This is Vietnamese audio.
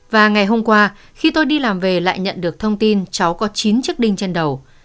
và ngày hôm qua khi tôi đi làm về lại nhận được thông tin cháu có chín chiếc đinh trên đầu